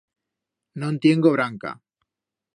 No'n tiengo branca.